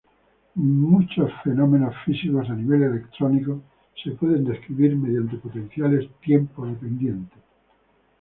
Muchos fenómenos físicos a nivel electrónico pueden ser descritos mediante potenciales tiempo-dependientes.